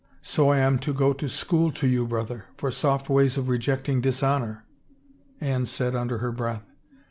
" So I a^l to go to school to you, brother, for soft ways of rejecting dishonor?" Anne said under her breath.